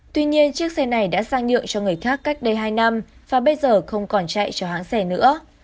tuy nhiên chiếc xe này đã sang nhượng cho người khác cách đây hai năm và bây giờ không còn chạy cho hãng xe nữa